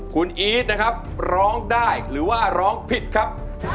คุณอีทนะครับร้องได้หรือว่าร้องผิดครับ